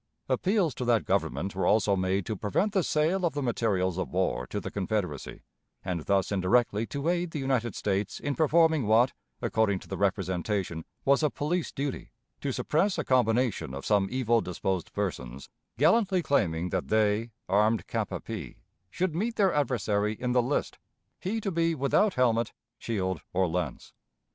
Appeals to that Government were also made to prevent the sale of the materials of war to the Confederacy, and thus indirectly to aid the United States in performing what, according to the representation, was a police duty, to suppress a combination of some evil disposed persons gallantly claiming that they, armed cap a pie, should meet their adversary in the list, he to be without helmet, shield, or lance.